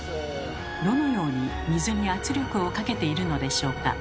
どのように水に圧力をかけているのでしょうか？